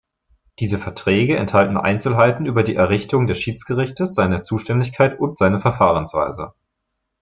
Diese Verträge enthalten Einzelheiten über die Errichtung des Schiedsgerichtes, seine Zuständigkeit und seine Verfahrensweise.